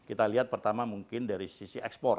kita lihat pertama mungkin dari sisi ekspor